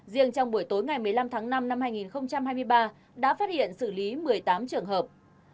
riêng trong buổi tối ngày một mươi năm tháng năm năm hai nghìn hai mươi ba đã phát hiện xử lý một mươi tám trường hợp